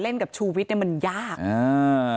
แล้วถ้าคุณชุวิตไม่ออกมาเป็นเรื่องกลุ่มมาเฟียร์จีน